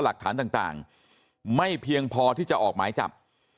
หลักฐานต่างไม่เพียงพอที่จะออกหมายจับ